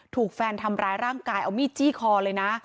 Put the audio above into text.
ถูกแฟนทำร้ายร่างกายเอามีดจี้คอเลยนะ